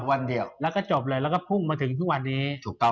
แล้วก็จบเลยแล้วก็พุ่งมาถึงถึงวันนี้